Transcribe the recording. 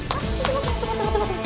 待って待って待って！